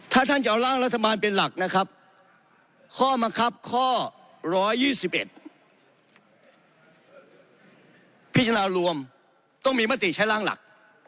ถ้าท่านจะเอาร่างรัฐบาลเป็นหลักนะครับข้อบังคับข้อ๑๒๑พิจารณารวมต้องมีมติใช้ร่างหลัก